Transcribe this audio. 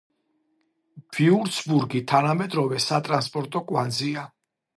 ვიურცბურგი თანამედროვე სატრანსპორტო კვანძია.